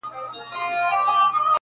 د ميني پر كوڅه ځي ما يوازي پــرېـــږدې